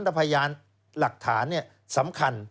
รับพยานหลักฐานนี่สำคัญ